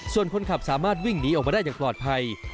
ส่วนคนขับสามารถวิ่งหนีออกมาได้อย่างปลอดภัย